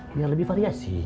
biar lebih variasi